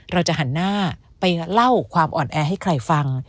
เราจะหันหน้าไปเล่าความอ่อนแอให้ใครฟัง